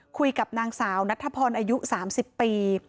คุยกับนางสาวนัทธพรอายุ๓๐ปี